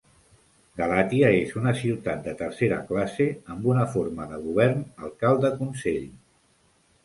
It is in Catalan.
Galatia és una ciutat de tercera classe amb una forma de govern alcalde-consell.